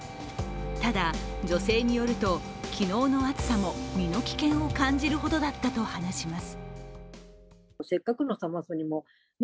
ただ、女性によると、昨日の暑さも身の危険を感じるほどだったと話します。